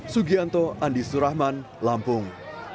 sugianto andi surahman lampung